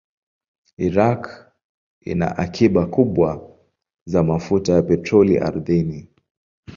Iraq ina akiba kubwa za mafuta ya petroli ardhini.